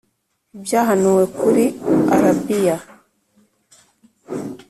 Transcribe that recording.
Ibyahanuwe kuri Arabiya